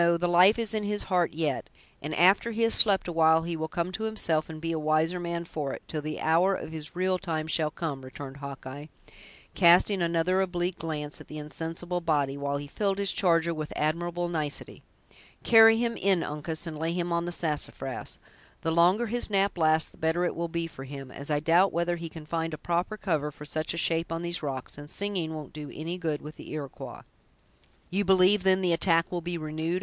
the life is in his heart yet, and after he has slept awhile he will come to himself, and be a wiser man for it, till the hour of his real time shall come," returned Hawkeye, casting another oblique glance at the insensible body, while he filled his charger with admirable nicety. "Carry him in, Uncas, and lay him on the sassafras. The longer his nap lasts the better it will be for him, as I doubt whether he can find a proper cover for such a shape on these rocks; and singing won't do any good with the Iroquois." "You believe, then, the attack will be renewed?"